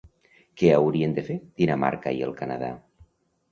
Què haurien de fer Dinamarca i el Canadà?